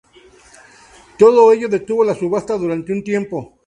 Todo ello detuvo la subasta durante un tiempo.